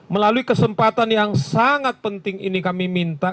melalui kesempatan yang sangat penting ini kami minta